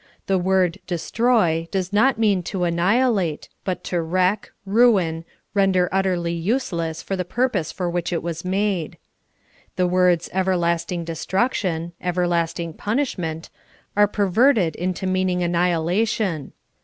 The word " destroy " does not mean to annihilate, but to wTeck, ruin, render utterly useless for the purpose for which it was made. The words "everlasting destruction," "everlasting punishment," are perverted into meaning annihilation.